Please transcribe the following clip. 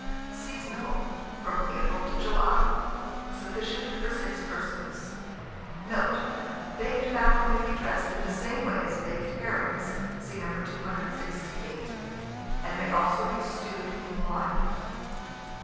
Seasonable from April to July. Sufficient for 6 persons. Note. Baked mackerel may be dressed in the same way as baked herrings (see No. 268), and may also be stewed in wine.